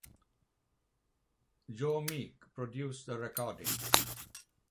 Joe Meek produced the recording.